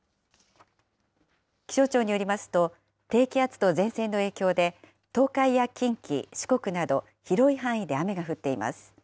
気象庁によりますと、低気圧と前線の影響で、東海や近畿、四国など、広い範囲で雨が降っています。